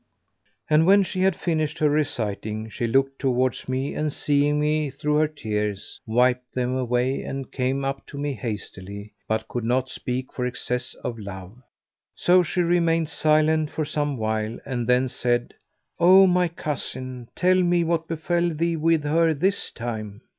And when she had finished her reciting, she looked towards me and seeing me through her tears, wiped them away and came up to me hastily, but could not speak for excess of love. So she remained silent for some while and then said, "O my cousin, tell me what befel thee with her this time."